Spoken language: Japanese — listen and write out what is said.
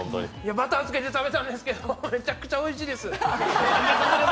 バターつけて食べたんですけどめちゃくちゃおいしいです。